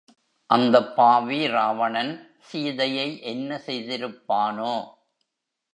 அந்தப் பாவி ராவணன் சீதையை என்ன செய்திருப்பானோ?